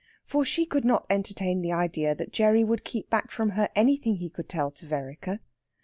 For she could not entertain the idea that Gerry would keep back from her anything he could tell to Vereker.